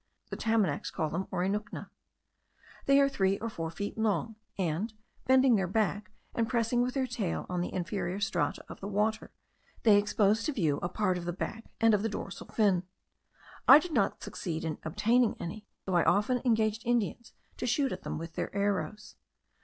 The Tamanacs call them orinucna. They are three or four feet long; and bending their back, and pressing with their tail on the inferior strata of the water, they expose to view a part of the back and of the dorsal fin. I did not succeed in obtaining any, though I often engaged Indians to shoot at them with their arrows.